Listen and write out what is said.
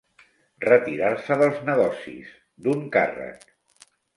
Retirar-se dels negocis, d'un càrrec.